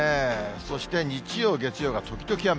そして日曜、月曜が時々雨。